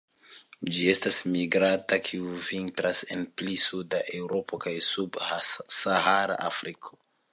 Ĝi estas migranta, kiu vintras en pli suda Eŭropo kaj sub-Sahara Afriko.